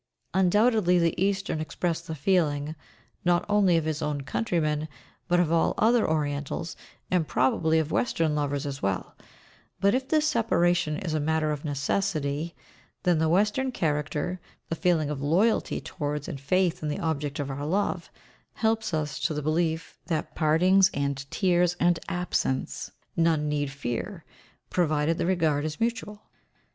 Undoubtedly the Eastern expressed the feeling, not only of his own countrymen, but of all other Orientals, and probably of Western lovers as well; but if the separation is a matter of necessity, then the Western character, the feeling of loyalty towards and faith in the object of our love, helps us to the belief that "Partings and tears and absence" none need fear, provided the regard is mutual.